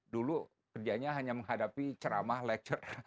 dulu kerjanya hanya menghadapi ceramah lecture